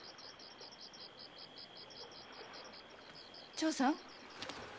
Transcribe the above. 長さん？